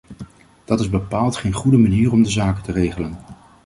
Dat is bepaald geen goede manier om de zaken te regelen.